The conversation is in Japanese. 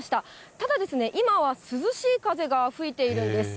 ただですね、今は涼しい風が吹いているんです。